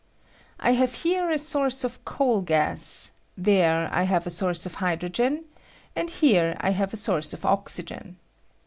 I have here a source of coal n gas ; there I have a source of hydrogen ; and here I have a source of oxygen.